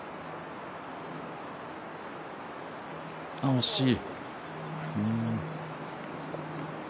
惜しい。